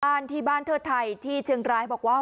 ที่บ้านเทิดไทยที่เชียงรายบอกว่า